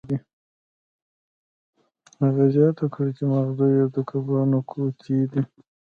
هغه زیاته کړه چې ماغزه یې د کبانو ګوتې دي